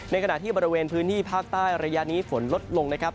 ขณะที่บริเวณพื้นที่ภาคใต้ระยะนี้ฝนลดลงนะครับ